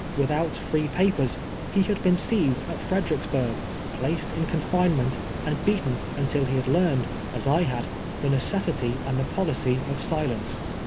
Without free papers, he had been seized at Fredericksburgh, placed in confinement, and beaten until he had learned, as I had, the necessity and the policy of silence.